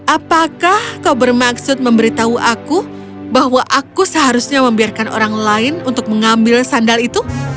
apakah kau bermaksud memberitahu aku bahwa aku seharusnya membiarkan orang lain untuk mengambil sandal itu